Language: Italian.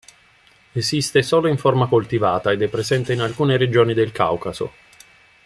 Esiste solo in forma coltivata ed è presente in alcune regioni del Caucaso.